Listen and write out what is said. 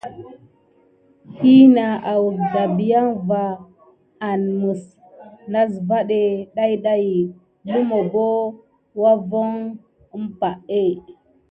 Hina awək dabiaŋ va anməs nasvaɗé ɗayɗay, lumu bo wavoŋ əmpahé.